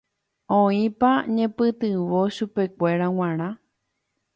Oĩpa ñepytyvõ chupekuéra g̃uarã.